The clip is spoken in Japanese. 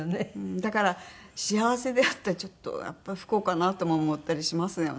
だから幸せであってちょっとやっぱり不幸かなとも思ったりしますよね。